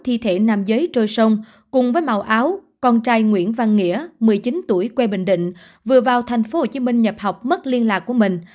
thi thể nam giới trôi sông cùng với màu áo con trai nguyễn văn nghĩa một mươi chín tuổi quê bình định vừa vào tp hcm nhập học mất liên lạc của mình